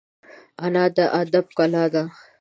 انا د ادب کلا ده